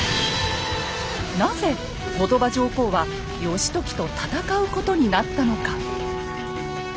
なぜ後鳥羽上皇は義時と戦うことになったのか。